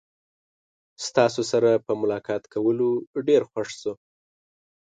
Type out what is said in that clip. ستاسو سره ملاقات کول ډیر خوښ شو.